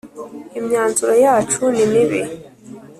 Imyanzuro yacu nimibi.